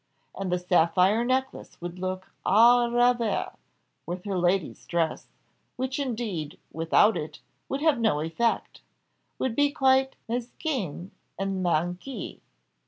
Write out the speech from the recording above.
And the sapphire necklace would look à ravir with her lady's dress, which, indeed, without it, would have no effect; would be quite mésquine and manquée.